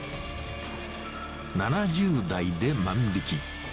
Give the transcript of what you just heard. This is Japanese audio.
７０代で万引き。